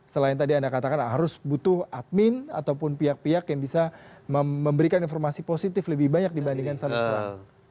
selain tadi anda katakan harus butuh admin ataupun pihak pihak yang bisa memberikan informasi positif lebih banyak dibandingkan sama sekali